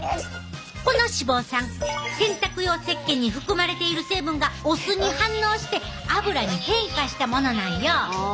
この脂肪酸洗濯用せっけんに含まれている成分がお酢に反応してアブラに変化したものなんよ。